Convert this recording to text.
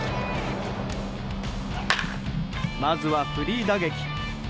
まずはフリー打撃。